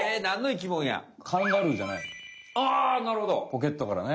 ポケットからね。